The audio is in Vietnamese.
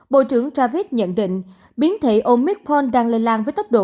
bộ trưởng javid nhận định biến thể omicron đang lây lan với tốc độ cao